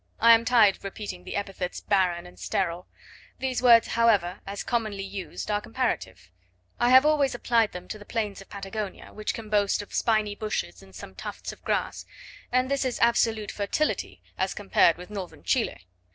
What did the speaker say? I am tired of repeating the epithets barren and sterile. These words, however, as commonly used, are comparative; I have always applied them to the plains of Patagonia, which can boast of spiny bushes and some tufts of grass; and this is absolute fertility, as compared with northern Chile.